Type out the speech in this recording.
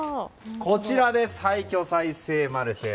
こちら、廃墟再生マルシェ。